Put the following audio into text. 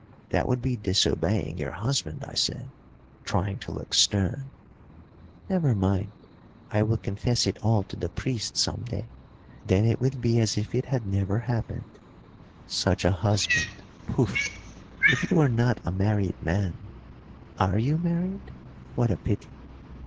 "That would be disobeying your husband," I said, trying to look stern. "Never mind, I will confess it all to the priest some day, then it will be as if it had never happened. Such a husband poof! If you were not a married man are you married? What a pity!